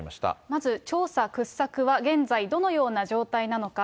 まず調査掘削は現在、どのような状態なのか。